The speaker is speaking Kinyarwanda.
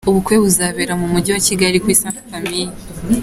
Ubukwe buzabera mu Mujyi wa Kigali kuri Ste Famille.